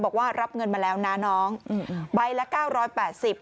บอกว่ารับเงินมาแล้วนะน้องใบละ๙๘๐บาท